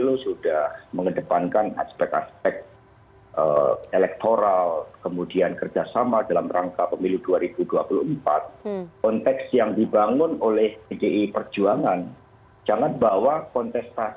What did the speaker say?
itu cair kan menurut anda